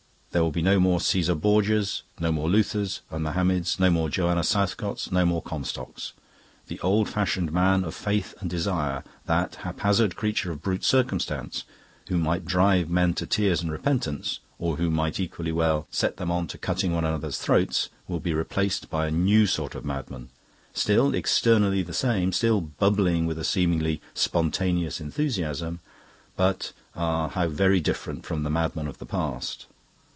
There will be no more Caesar Borgias, no more Luthers and Mohammeds, no more Joanna Southcotts, no more Comstocks. The old fashioned Man of Faith and Desire, that haphazard creature of brute circumstance, who might drive men to tears and repentance, or who might equally well set them on to cutting one another's throats, will be replaced by a new sort of madman, still externally the same, still bubbling with a seemingly spontaneous enthusiasm, but, ah, how very different from the madman of the past!